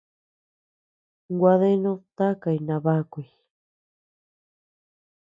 Gua deanud takay nabakuy.